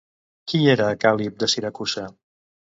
Qui era Cal·lip de Siracusa?